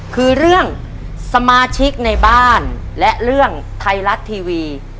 คือเรื่องสมาชิกในบ้านและเรื่องไทยรัฐทีวี